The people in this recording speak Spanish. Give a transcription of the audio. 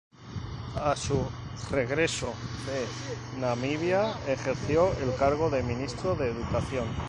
A su regreso de Namibia ejerció el cargo de Ministro de Educación.